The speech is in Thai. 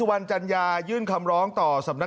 คุณสิริกัญญาบอกว่า๖๔เสียง